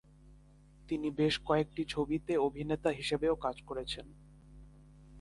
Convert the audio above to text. তিনি বেশ কয়েকটি ছবিতে অভিনেতা হিসেবেও কাজ করেছেন।